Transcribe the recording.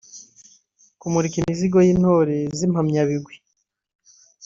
kumurika imihigo y’intore z’impamyabigwi